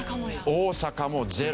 大阪も０。